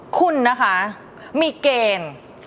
คุณนะคะมีเกณฑ์